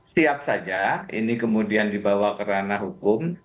siap saja ini kemudian dibawa ke ranah hukum